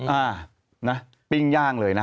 อ่านะปิ้งย่างเลยนะ